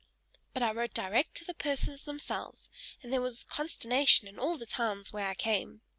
But I wrote direct to the persons themselves, and there was consternation in all the towns where I came.